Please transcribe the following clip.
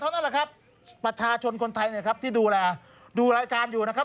นั่นแหละครับประชาชนคนไทยเนี่ยครับที่ดูแลดูรายการอยู่นะครับ